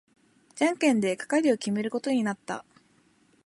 じゃんけんで係を決めることになった。